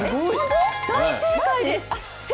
大正解です。